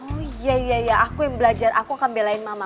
oh iya iya aku yang belajar aku akan belain mama